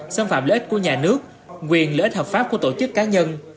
xâm phạm lợi ích của nhà nước quyền lợi ích hợp pháp của tổ chức cá nhân